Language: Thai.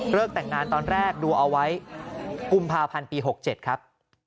แต่งงานตอนแรกดูเอาไว้กุมภาพันธ์ปี๖๗ครับ